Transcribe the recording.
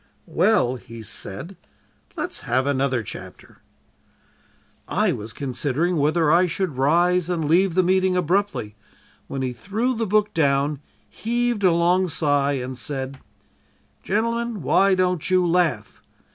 "'Well,' he said, 'let's have another chapter.' "I was considering whether I should rise and leave the meeting abruptly, when he threw the book down, heaved a long sigh, and said: "'Gentlemen, why don't you laugh?